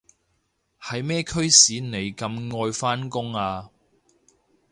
係咩驅使你咁愛返工啊？